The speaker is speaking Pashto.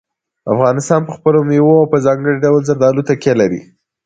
افغانستان په خپلو مېوو او په ځانګړي ډول زردالو تکیه لري.